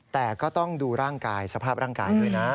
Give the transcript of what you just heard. แต่ก็ต้องดูร่างกายสภาพร่างกายด้วยนะ